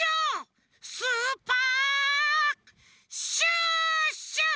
スーパーシュッシュ！